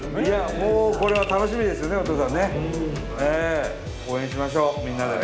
もうこれは楽しみですよねお父さんね。